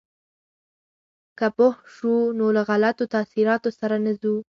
که پوه شو، نو له غلطو تاثیراتو سره نه ځو.